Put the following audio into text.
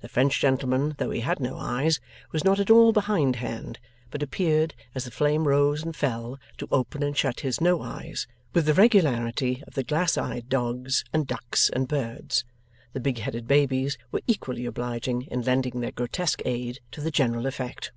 The French gentleman, though he had no eyes, was not at all behind hand, but appeared, as the flame rose and fell, to open and shut his no eyes, with the regularity of the glass eyed dogs and ducks and birds. The big headed babies were equally obliging in lending their grotesque aid to the general effect.